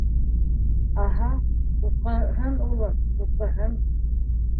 — Аһа, уҡыһын улым, уҡыһын.